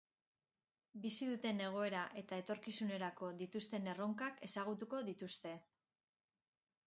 Bizi duten egoera eta etorkizunerako dituzten erronkak ezagutuko dituzte.